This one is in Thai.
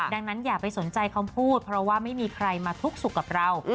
ดังนั้นอย่าไปสนใจคำพูดเพราะว่าไม่มีใครมาทุกข์สุขกับเรา